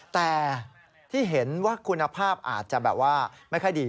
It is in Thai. แต่ที่เห็นว่าคุณภาพอาจจะแบบว่าไม่ค่อยดี